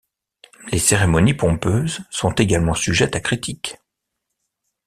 Les cérémonies pompeuses sont également sujettes à critique.